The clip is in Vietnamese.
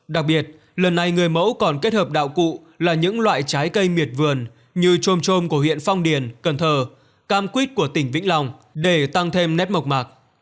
đặc biệt lần này người mẫu còn kết hợp đạo cụ là những loại trái cây miệt vườn như trôm trôm của huyện phong điền cần thờ cam quýt của tỉnh vĩnh long để tăng thêm nét mộc mạc